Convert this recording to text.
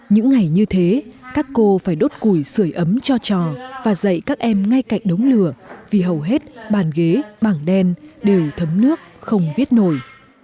những ngày như thế các cô phải đốt củi sửa ấm cho trò và dạy các em ngay cạnh đống lửa vì hầu hết bàn ghế bảng đen đều thấm nước không viết nổi